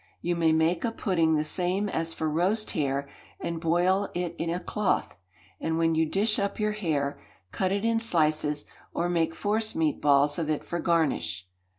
You may make a pudding the same as for roast hare, and boil it in a cloth, and when you dish up your hare, cut it in slices, or make forcemeat balls of it for garnish.